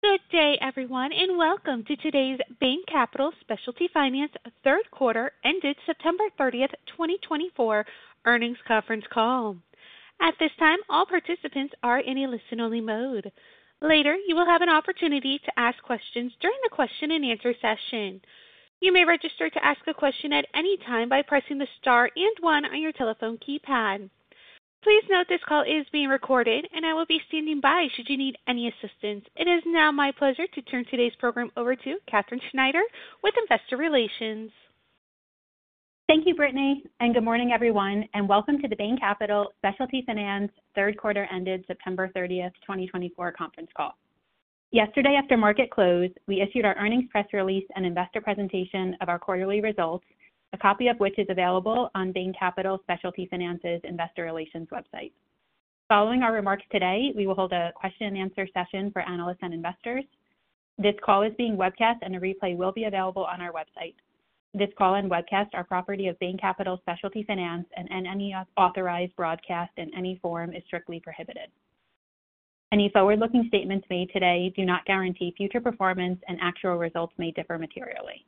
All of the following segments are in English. Good day, everyone, and welcome to today's Bain Capital Specialty Finance third quarter ended September 30th, 2024 earnings conference call. At this time, all participants are in a listen-only mode. Later, you will have an opportunity to ask questions during the question-and-answer session. You may register to ask a question at any time by pressing the star and one on your telephone keypad. Please note this call is being recorded, and I will be standing by should you need any assistance. It is now my pleasure to turn today's program over to Katherine Schneider with investor relations. Thank you, Brittany, and good morning, everyone, and welcome to the Bain Capital Specialty Finance third quarter ended September 30th, 2024 conference call. Yesterday, after market close, we issued our earnings press release and investor presentation of our quarterly results, a copy of which is available on Bain Capital Specialty Finance's investor relations website. Following our remarks today, we will hold a question-and-answer session for analysts and investors. This call is being webcast, and a replay will be available on our website. This call and webcast are property of Bain Capital Specialty Finance, and any authorized broadcast in any form is strictly prohibited. Any forward-looking statements made today do not guarantee future performance, and actual results may differ materially.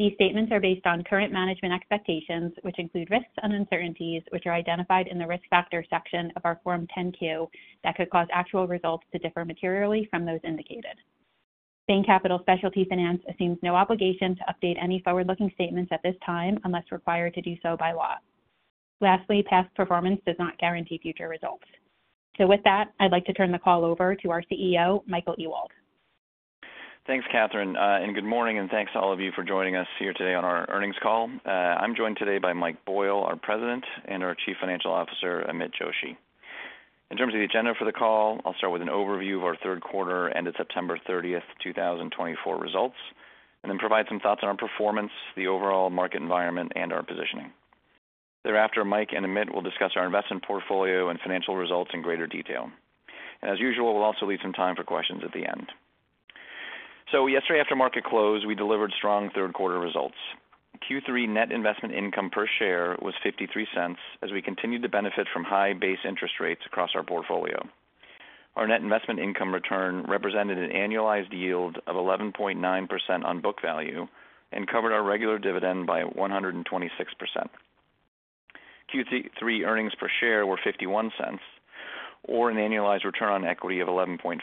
These statements are based on current management expectations, which include risks and uncertainties, which are identified in the risk factor section of our Form 10-Q that could cause actual results to differ materially from those indicated. Bain Capital Specialty Finance assumes no obligation to update any forward-looking statements at this time unless required to do so by law. Lastly, past performance does not guarantee future results. So with that, I'd like to turn the call over to our CEO, Michael Ewald. Thanks, Katherine, and good morning, and thanks to all of you for joining us here today on our earnings call. I'm joined today by Mike Boyle, our President, and our Chief Financial Officer, Amit Joshi. In terms of the agenda for the call, I'll start with an overview of our third quarter ended September 30th, 2024 results, and then provide some thoughts on our performance, the overall market environment, and our positioning. Thereafter, Mike and Amit will discuss our investment portfolio and financial results in greater detail. As usual, we'll also leave some time for questions at the end. Yesterday, after market close, we delivered strong third quarter results. Q3 net investment income per share was $0.53 as we continued to benefit from high base interest rates across our portfolio. Our net investment income return represented an annualized yield of 11.9% on book value and covered our regular dividend by 126%. Q3 earnings per share were $0.51 or an annualized return on equity of 11.5%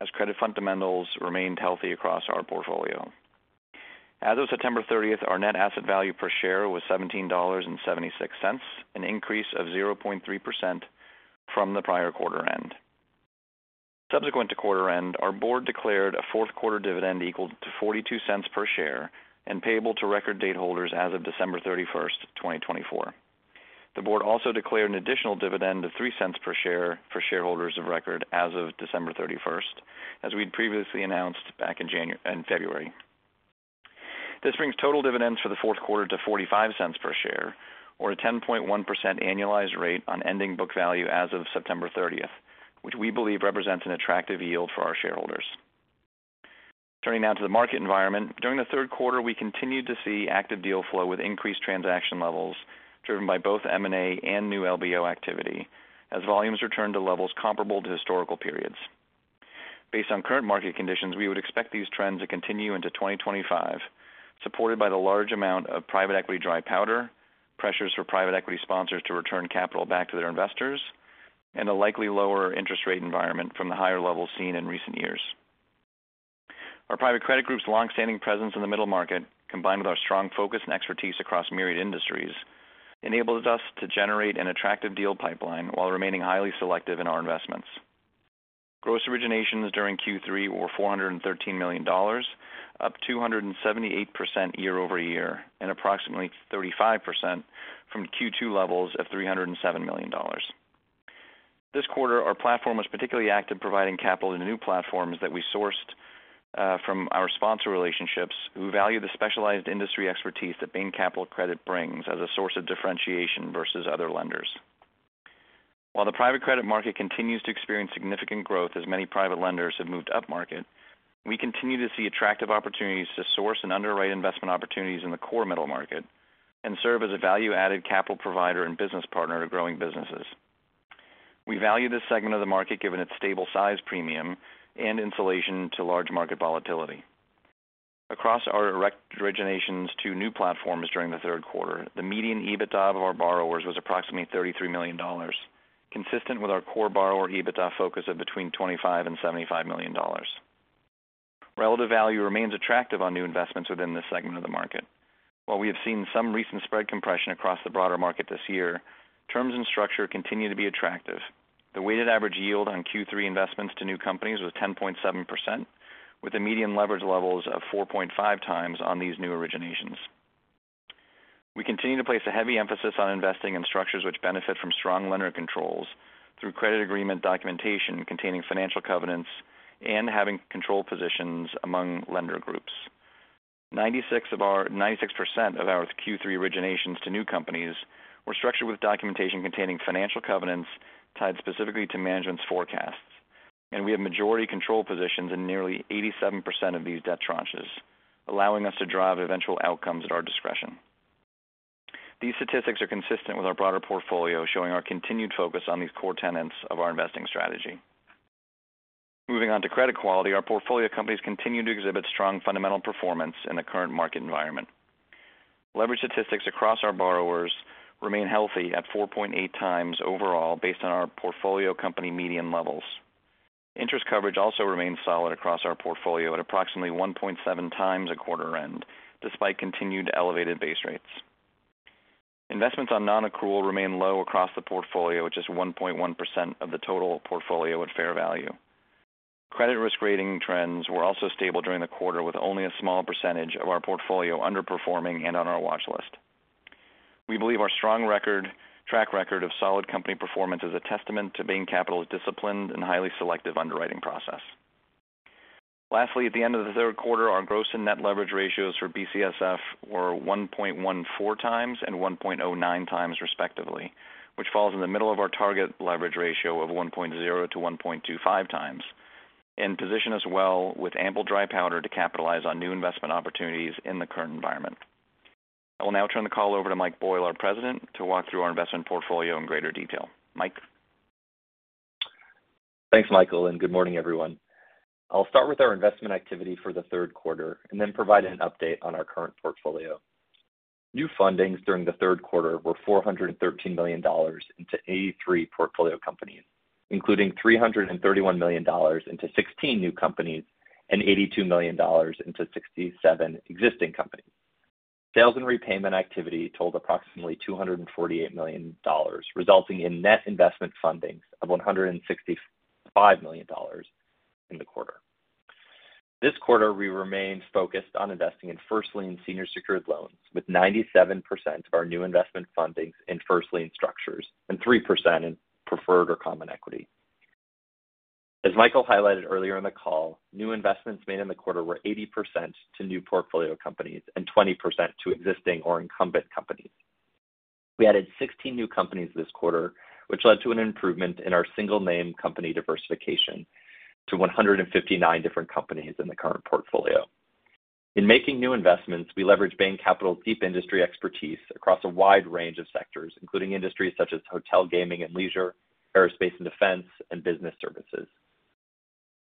as credit fundamentals remained healthy across our portfolio. As of September 30th, our net asset value per share was $17.76, an increase of 0.3% from the prior quarter end. Subsequent to quarter end, our board declared a fourth quarter dividend equal to $0.42 per share and payable to record date holders as of December 31st, 2024. The board also declared an additional dividend of $0.03 per share for shareholders of record as of December 31st, as we'd previously announced back in February. This brings total dividends for the fourth quarter to $0.45 per share or a 10.1% annualized rate on ending book value as of September 30th, which we believe represents an attractive yield for our shareholders. Turning now to the market environment, during the third quarter, we continued to see active deal flow with increased transaction levels driven by both M&A and new LBO activity as volumes returned to levels comparable to historical periods. Based on current market conditions, we would expect these trends to continue into 2025, supported by the large amount of private equity dry powder, pressures for private equity sponsors to return capital back to their investors, and a likely lower interest rate environment from the higher levels seen in recent years. Our private credit group's long-standing presence in the middle market, combined with our strong focus and expertise across myriad industries, enables us to generate an attractive deal pipeline while remaining highly selective in our investments. Gross originations during Q3 were $413 million, up 278% year over year, and approximately 35% from Q2 levels of $307 million. This quarter, our platform was particularly active providing capital to new platforms that we sourced from our sponsor relationships, who value the specialized industry expertise that Bain Capital Credit brings as a source of differentiation versus other lenders. While the private credit market continues to experience significant growth as many private lenders have moved upmarket, we continue to see attractive opportunities to source and underwrite investment opportunities in the core middle market and serve as a value-added capital provider and business partner to growing businesses. We value this segment of the market given its stable size premium and insulation to large market volatility. Across our direct originations to new platforms during the third quarter, the median EBITDA of our borrowers was approximately $33 million, consistent with our core borrower EBITDA focus of between $25 and $75 million. Relative value remains attractive on new investments within this segment of the market. While we have seen some recent spread compression across the broader market this year, terms and structure continue to be attractive. The weighted average yield on Q3 investments to new companies was 10.7%, with the median leverage levels of 4.5 times on these new originations. We continue to place a heavy emphasis on investing in structures which benefit from strong lender controls through credit agreement documentation containing financial covenants and having control positions among lender groups. 96% of our Q3 originations to new companies were structured with documentation containing financial covenants tied specifically to management's forecasts, and we have majority control positions in nearly 87% of these debt tranches, allowing us to drive eventual outcomes at our discretion. These statistics are consistent with our broader portfolio, showing our continued focus on these core tenets of our investing strategy. Moving on to credit quality, our portfolio companies continue to exhibit strong fundamental performance in the current market environment. Leverage statistics across our borrowers remain healthy at 4.8 times overall based on our portfolio company median levels. Interest coverage also remains solid across our portfolio at approximately 1.7 times a quarter end, despite continued elevated base rates. Investments on non-accrual remain low across the portfolio at just 1.1% of the total portfolio at fair value. Credit risk rating trends were also stable during the quarter, with only a small percentage of our portfolio underperforming and on our watch list. We believe our strong track record of solid company performance is a testament to Bain Capital's disciplined and highly selective underwriting process. Lastly, at the end of the third quarter, our gross and net leverage ratios for BCSF were 1.14 times and 1.09 times, respectively, which falls in the middle of our target leverage ratio of 1.0-1.25 times, and position us well with ample dry powder to capitalize on new investment opportunities in the current environment. I will now turn the call over to Mike Boyle, our President, to walk through our investment portfolio in greater detail. Mike. Thanks, Michael, and good morning, everyone. I'll start with our investment activity for the third quarter and then provide an update on our current portfolio. New fundings during the third quarter were $413 million into 83 portfolio companies, including $331 million into 16 new companies and $82 million into 67 existing companies. Sales and repayment activity totaled approximately $248 million, resulting in net investment fundings of $165 million in the quarter. This quarter, we remained focused on investing in first-lien senior secured loans, with 97% of our new investment fundings in first-lien structures and 3% in preferred or common equity. As Michael highlighted earlier in the call, new investments made in the quarter were 80% to new portfolio companies and 20% to existing or incumbent companies. We added 16 new companies this quarter, which led to an improvement in our single-name company diversification to 159 different companies in the current portfolio. In making new investments, we leveraged Bain Capital's deep industry expertise across a wide range of sectors, including industries such as hotel, gaming, and leisure, aerospace and defense, and business services.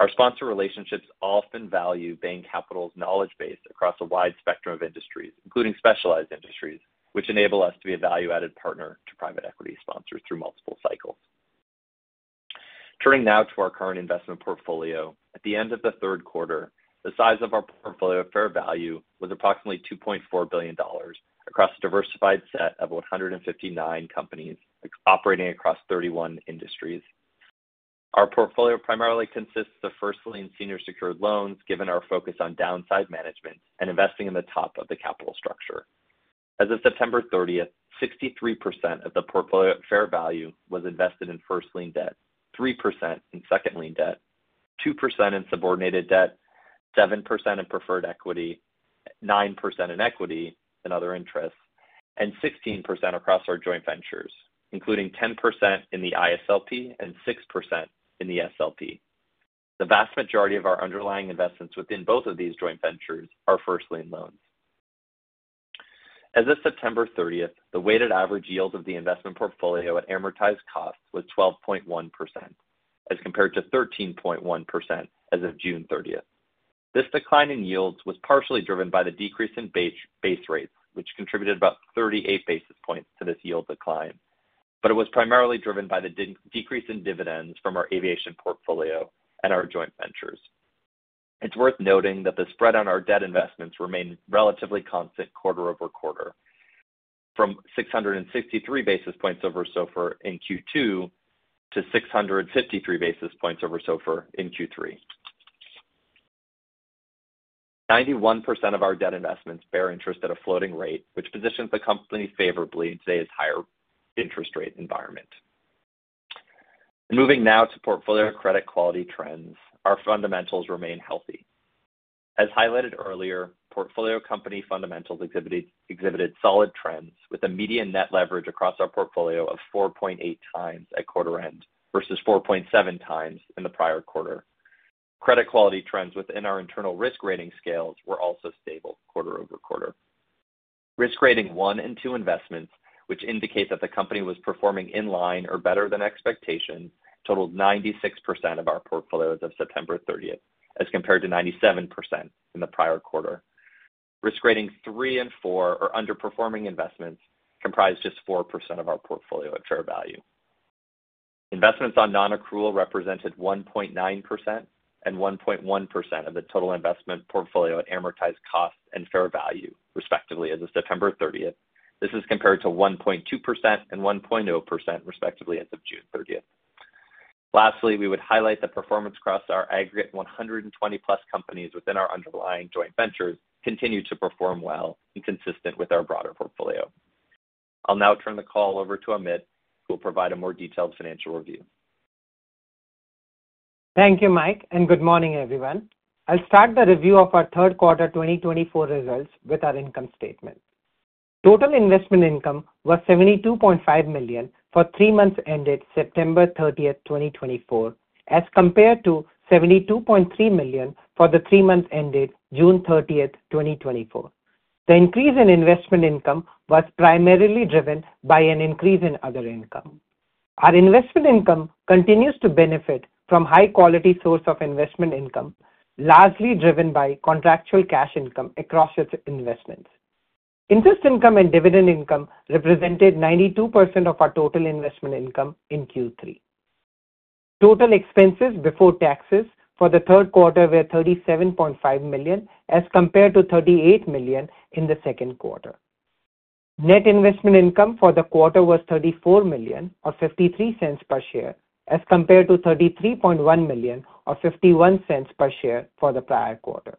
Our sponsor relationships often value Bain Capital's knowledge base across a wide spectrum of industries, including specialized industries, which enable us to be a value-added partner to private equity sponsors through multiple cycles. Turning now to our current investment portfolio, at the end of the third quarter, the size of our portfolio at fair value was approximately $2.4 billion across a diversified set of 159 companies operating across 31 industries. Our portfolio primarily consists of first-lien senior secured loans, given our focus on downside management and investing in the top of the capital structure. As of September 30th, 63% of the portfolio at fair value was invested in first-lien debt, 3% in second-lien debt, 2% in subordinated debt, 7% in preferred equity, 9% in equity and other interests, and 16% across our joint ventures, including 10% in the ISLP and 6% in the SLP. The vast majority of our underlying investments within both of these joint ventures are first-lien loans. As of September 30th, the weighted average yield of the investment portfolio at amortized costs was 12.1% as compared to 13.1% as of June 30th. This decline in yields was partially driven by the decrease in base rates, which contributed about 38 basis points to this yield decline, but it was primarily driven by the decrease in dividends from our aviation portfolio and our joint ventures. It's worth noting that the spread on our debt investments remained relatively constant quarter over quarter, from 663 basis points over SOFR in Q2 to 653 basis points over SOFR in Q3. 91% of our debt investments bear interest at a floating rate, which positions the company favorably in today's higher interest rate environment. Moving now to portfolio credit quality trends, our fundamentals remain healthy. As highlighted earlier, portfolio company fundamentals exhibited solid trends with a median net leverage across our portfolio of 4.8 times at quarter end versus 4.7 times in the prior quarter. Credit quality trends within our internal risk rating scales were also stable quarter over quarter. Risk rating one and two investments, which indicate that the company was performing in line or better than expectation, totaled 96% of our portfolios of September 30th as compared to 97% in the prior quarter. Risk rating three and four or underperforming investments comprised just 4% of our portfolio at fair value. Investments on non-accrual represented 1.9% and 1.1% of the total investment portfolio at amortized cost and fair value, respectively, as of September 30th. This is compared to 1.2% and 1.0%, respectively, as of June 30th. Lastly, we would highlight the performance across our aggregate 120-plus companies within our underlying joint ventures continued to perform well and consistent with our broader portfolio. I'll now turn the call over to Amit, who will provide a more detailed financial review. Thank you, Mike, and good morning, everyone. I'll start the review of our third quarter 2024 results with our income statement. Total investment income was $72.5 million for three months ended September 30th, 2024, as compared to $72.3 million for the three months ended June 30th, 2024. The increase in investment income was primarily driven by an increase in other income. Our investment income continues to benefit from high-quality source of investment income, largely driven by contractual cash income across its investments. Interest income and dividend income represented 92% of our total investment income in Q3. Total expenses before taxes for the third quarter were $37.5 million as compared to $38 million in the second quarter. Net investment income for the quarter was $34 million or $0.53 per share as compared to $33.1 million or $0.51 per share for the prior quarter.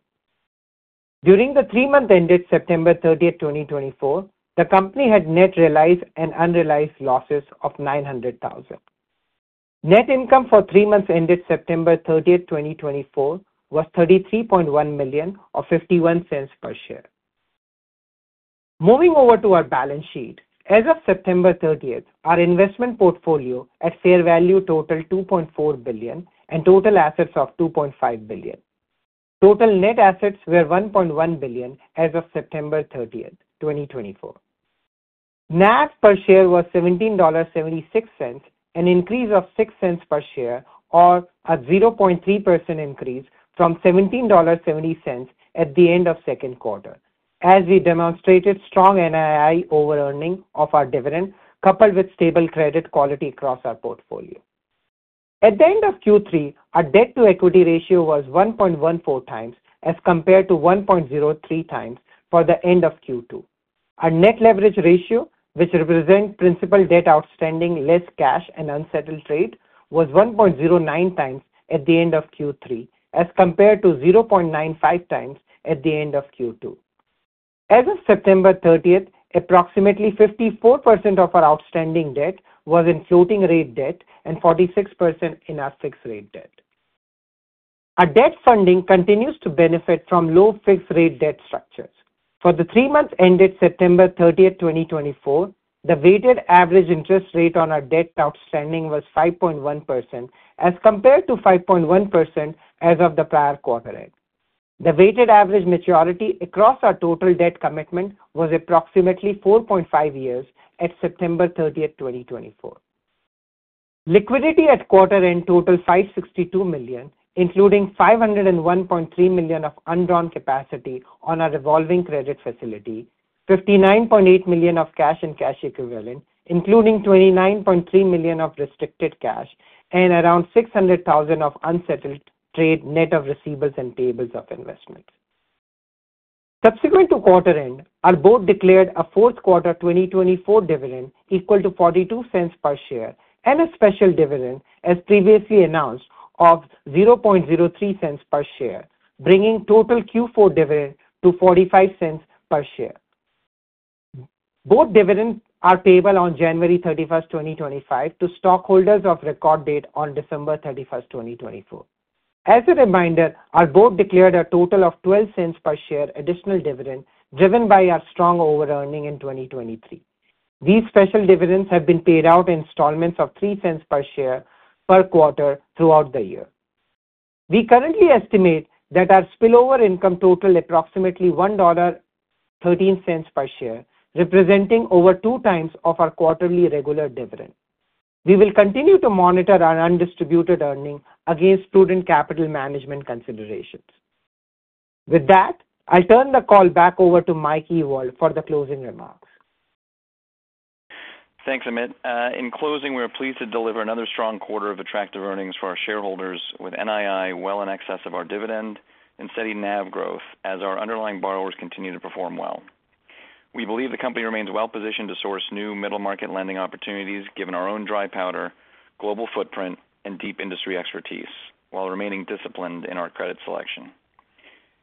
During the three months ended September 30th, 2024, the company had net realized and unrealized losses of $900,000. Net income for three months ended September 30th, 2024, was $33.1 million or $0.51 per share. Moving over to our balance sheet, as of September 30th, our investment portfolio at fair value totaled $2.4 billion and total assets of $2.5 billion. Total net assets were $1.1 billion as of September 30th, 2024. NAV per share was $17.76, an increase of $0.06 per share or a 0.3% increase from $17.70 at the end of second quarter, as we demonstrated strong NII over-earning of our dividend, coupled with stable credit quality across our portfolio. At the end of Q3, our debt-to-equity ratio was 1.14 times as compared to 1.03 times for the end of Q2. Our net leverage ratio, which represents principal debt outstanding less cash and unsettled trade, was 1.09 times at the end of Q3 as compared to 0.95 times at the end of Q2. As of September 30th, approximately 54% of our outstanding debt was in floating-rate debt and 46% in our fixed-rate debt. Our debt funding continues to benefit from low fixed-rate debt structures. For the three months ended September 30th, 2024, the weighted average interest rate on our debt outstanding was 5.1% as compared to 5.1% as of the prior quarter end. The weighted average maturity across our total debt commitment was approximately 4.5 years at September 30th, 2024. Liquidity at quarter end totaled $562 million, including $501.3 million of undrawn capacity on our revolving credit facility, $59.8 million of cash and cash equivalent, including $29.3 million of restricted cash, and around $600,000 of unsettled trade net of receivables and payables of investment. Subsequent to quarter end, our board declared a fourth quarter 2024 dividend equal to $0.42 per share and a special dividend, as previously announced, of 3 cents per share, bringing total Q4 dividend to $0.45 per share. Both dividends are payable on January 31st, 2025, to stockholders of record date on December 31st, 2024. As a reminder, our board declared a total of $0.12 per share additional dividend driven by our strong over-earning in 2023. These special dividends have been paid out in installments of $0.03 per share per quarter throughout the year. We currently estimate that our spillover income totaled approximately $1.13 per share, representing over two times our quarterly regular dividend. We will continue to monitor our undistributed earnings against prudent capital management considerations. With that, I'll turn the call back over to Mike Ewald for the closing remarks. Thanks, Amit. In closing, we're pleased to deliver another strong quarter of attractive earnings for our shareholders with NII well in excess of our dividend and steady NAV growth as our underlying borrowers continue to perform well. We believe the company remains well positioned to source new middle-market lending opportunities, given our own dry powder, global footprint, and deep industry expertise, while remaining disciplined in our credit selection.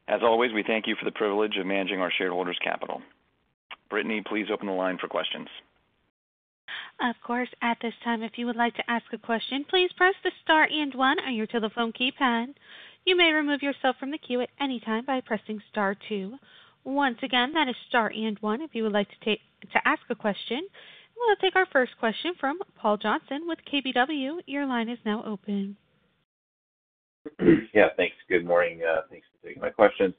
As always, we thank you for the privilege of managing our shareholders' capital. Brittany, please open the line for questions. Of course. At this time, if you would like to ask a question, please press the Star and 1 on your telephone keypad. You may remove yourself from the queue at any time by pressing Star 2. Once again, that is Star and 1 if you would like to ask a question. We'll take our first question from Paul Johnson with KBW. Your line is now open. Yeah, thanks. Good morning. Thanks for taking my questions.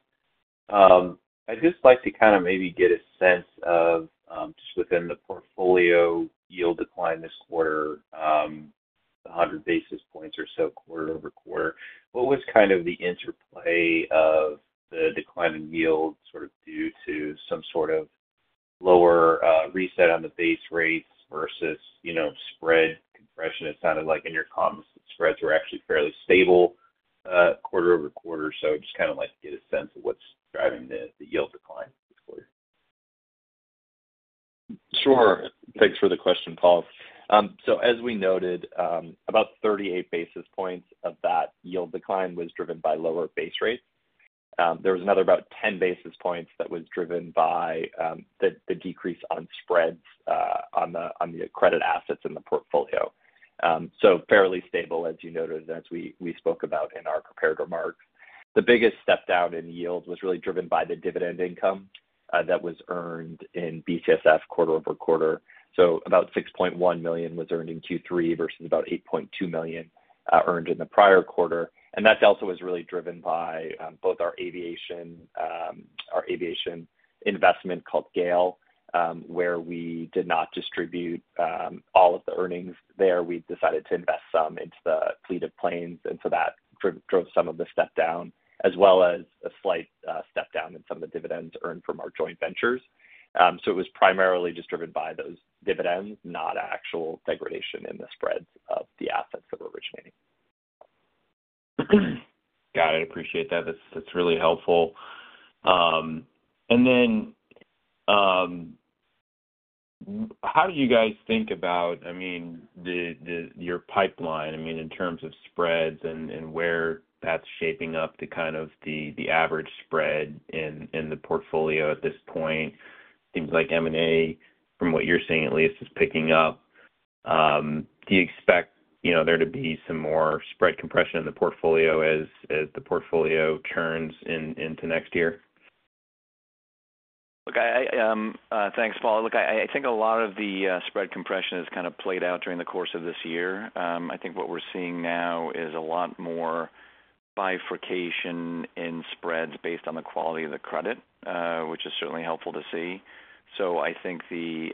I'd just like to kind of maybe get a sense of just within the portfolio yield decline this quarter, 100 basis points or so quarter over quarter. What was kind of the interplay of the decline in yield sort of due to some sort of lower reset on the base rates versus spread compression? It sounded like in your comments that spreads were actually fairly stable quarter over quarter, so just kind of like to get a sense of what's driving the yield decline this quarter. Sure. Thanks for the question, Paul. So as we noted, about 38 basis points of that yield decline was driven by lower base rates. There was another about 10 basis points that was driven by the decrease on spreads on the credit assets in the portfolio. So fairly stable, as you noted, as we spoke about in our prepared remarks. The biggest step down in yield was really driven by the dividend income that was earned in BCSF quarter over quarter. So about $6.1 million was earned in Q3 versus about $8.2 million earned in the prior quarter. And that also was really driven by both our aviation investment called GAIL, where we did not distribute all of the earnings there. We decided to invest some into the fleet of planes. And so that drove some of the step down, as well as a slight step down in some of the dividends earned from our joint ventures. So it was primarily just driven by those dividends, not actual degradation in the spreads of the assets that were originating. Got it. Appreciate that. That's really helpful. And then how do you guys think about, I mean, your pipeline, I mean, in terms of spreads and where that's shaping up to kind of the average spread in the portfolio at this point? Seems like M&A, from what you're seeing at least, is picking up. Do you expect there to be some more spread compression in the portfolio as the portfolio turns into next year? Thanks, Paul. Look, I think a lot of the spread compression has kind of played out during the course of this year. I think what we're seeing now is a lot more bifurcation in spreads based on the quality of the credit, which is certainly helpful to see. So I think the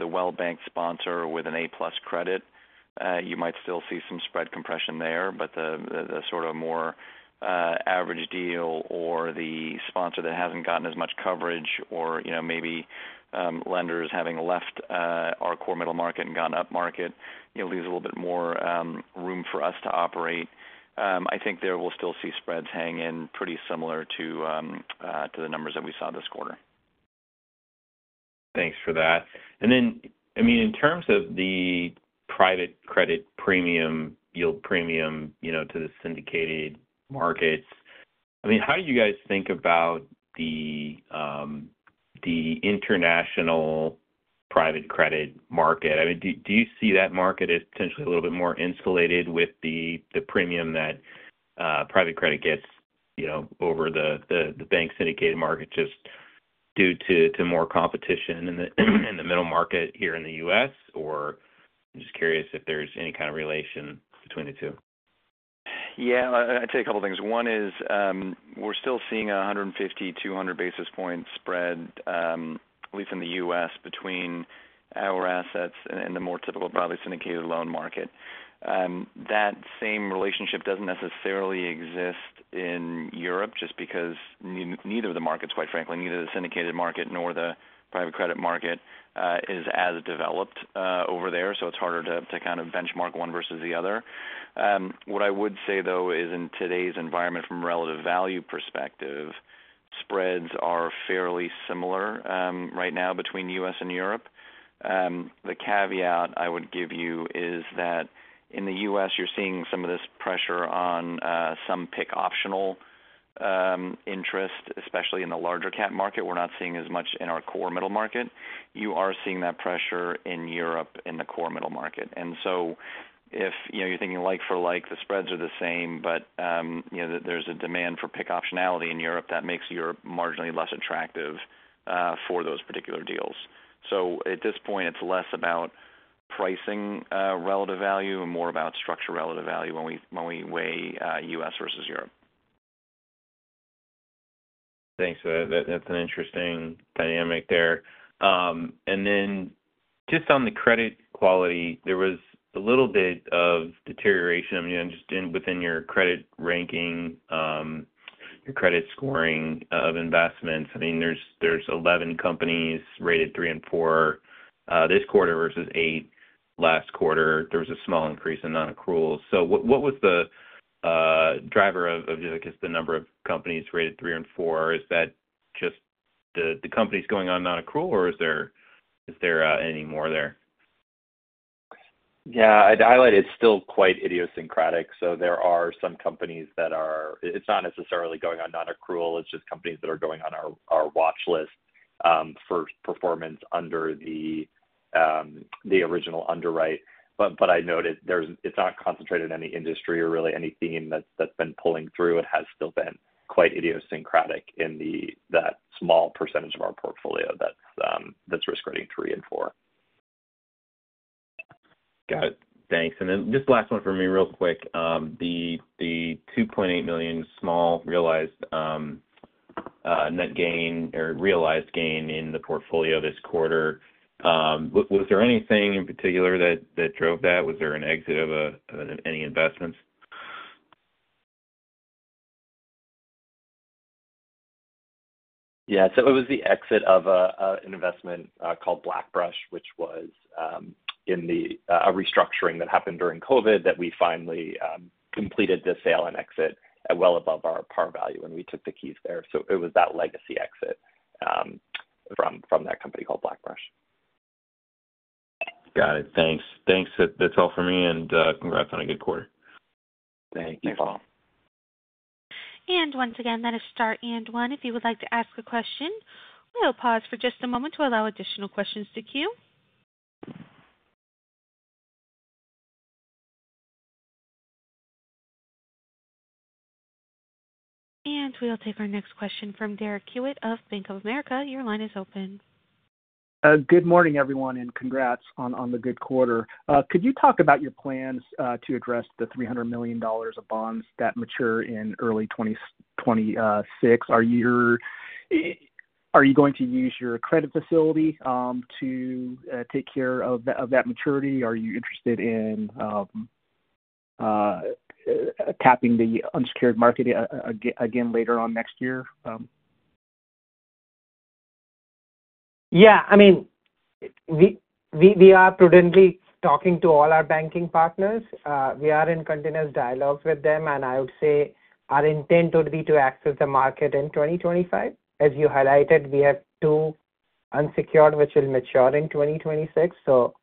well-banked sponsor with an A-plus credit, you might still see some spread compression there, but the sort of more average deal or the sponsor that hasn't gotten as much coverage or maybe lenders having left our core middle market and gone up market leaves a little bit more room for us to operate. I think we'll still see spreads hang in pretty similar to the numbers that we saw this quarter. Thanks for that, and then, I mean, in terms of the private credit premium, yield premium to the syndicated markets, I mean, how do you guys think about the international private credit market? I mean, do you see that market as potentially a little bit more insulated with the premium that private credit gets over the bank syndicated market just due to more competition in the middle market here in the U.S.? Or I'm just curious if there's any kind of relation between the two. Yeah, I'd say a couple of things. One is we're still seeing a 150-200 basis point spread, at least in the U.S., between our assets and the more typical broadly syndicated loan market. That same relationship doesn't necessarily exist in Europe just because neither of the markets, quite frankly, neither the syndicated market nor the private credit market is as developed over there. So it's harder to kind of benchmark one versus the other. What I would say, though, is in today's environment, from a relative value perspective, spreads are fairly similar right now between the U.S. and Europe. The caveat I would give you is that in the U.S., you're seeing some of this pressure on some PIK optional interest, especially in the larger cap market. We're not seeing as much in our core middle market. You are seeing that pressure in Europe in the core middle market. And so if you're thinking like-for-like, the spreads are the same, but there's a demand for PIK optionality in Europe that makes Europe marginally less attractive for those particular deals. So at this point, it's less about pricing relative value and more about structure relative value when we weigh U.S. versus Europe. Thanks. That's an interesting dynamic there. And then just on the credit quality, there was a little bit of deterioration just within your credit ranking, your credit scoring of investments. I mean, there's 11 companies rated three and four this quarter versus eight last quarter. There was a small increase in non-accrual. So what was the driver of, I guess, the number of companies rated three and four? Is that just the companies going on non-accrual, or is there any more there? Yeah, I'd highlight it's still quite idiosyncratic. So there are some companies that are. It's not necessarily going on non-accrual. It's just companies that are going on our watch list for performance under the original underwrite. But I'd note it's not concentrated in any industry or really any theme that's been pulling through. It has still been quite idiosyncratic in that small percentage of our portfolio that's risk rating three and four. Got it. Thanks. And then just last one for me real quick. The $2.8 million small realized net gain or realized gain in the portfolio this quarter, was there anything in particular that drove that? Was there an exit of any investments? Yeah. So it was the exit of an investment called BlackBrush, which was in a restructuring that happened during COVID that we finally completed the sale and exit well above our par value, and we took the keys there. So it was that legacy exit from that company called BlackBrush. Got it. Thanks. That's all for me. And congrats on a good quarter. Thank you, Paul. And once again, that is Star and 1. If you would like to ask a question, we'll pause for just a moment to allow additional questions to queue. And we'll take our next question from Derek Hewett of Bank of America. Your line is open. Good morning, everyone, and congrats on the good quarter. Could you talk about your plans to address the $300 million of bonds that mature in early 2026? Are you going to use your credit facility to take care of that maturity? Are you interested in tapping the unsecured market again later on next year? Yeah. I mean, we are prudently talking to all our banking partners. We are in continuous dialogue with them, and I would say our intent would be to access the market in 2025. As you highlighted, we have two unsecured which will mature in 2026, so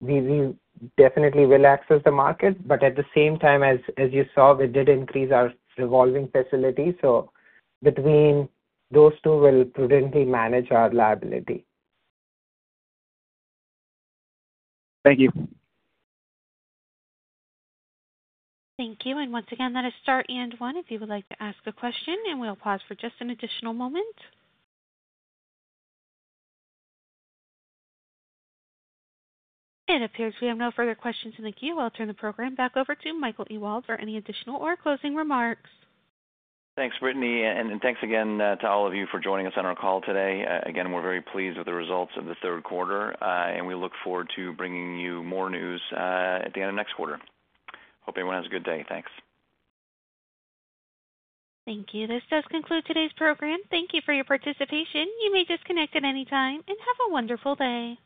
we definitely will access the market. But at the same time, as you saw, we did increase our revolving facility, so between those two, we'll prudently manage our liability. Thank you. Thank you. And once again, that is Star and 1. If you would like to ask a question, and we'll pause for just an additional moment. It appears we have no further questions in the queue. I'll turn the program back over to Michael Ewald for any additional or closing remarks. Thanks, Brittany. And thanks again to all of you for joining us on our call today. Again, we're very pleased with the results of the third quarter, and we look forward to bringing you more news at the end of next quarter. Hope everyone has a good day. Thanks. Thank you. This does conclude today's program. Thank you for your participation. You may disconnect at any time and have a wonderful day.